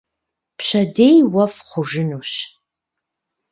Пщэдей уэфӀ хъужынущ.